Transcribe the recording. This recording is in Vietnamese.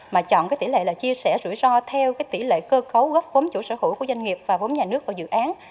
mà chọn tỷ lệ chia sẻ rủi ro theo tỷ lệ cơ cấu góp vốn chủ sở hữu của doanh nghiệp và vốn nhà nước vào dự án